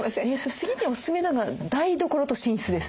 次におすすめなのが台所と寝室です。